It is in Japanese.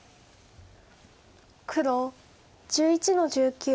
黒１１の十九。